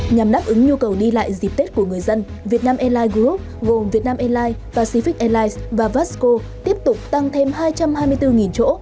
nhằm đáp ứng nhu cầu đi lại dịp tết của người dân việt nam airlines group gồm vietnam airlines pacific airlines và vasco tiếp tục tăng thêm hai trăm hai mươi bốn chỗ